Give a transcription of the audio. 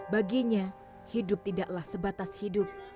baginya hidup tidaklah sebatas hidup